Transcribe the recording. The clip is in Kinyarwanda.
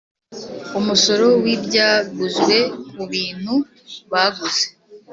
umusoro w ibyaguzwe ku bintu baguze